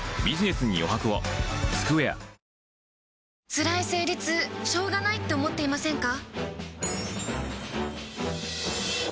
つらい生理痛しょうがないって思っていませんか？